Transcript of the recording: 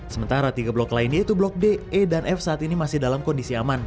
sementara tiga blok lain yaitu blok d e dan f saat ini masih dalam kondisi aman